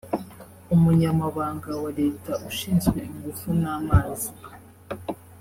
Umunyamabanga wa Leta ushinzwe Ingufu n’Amazi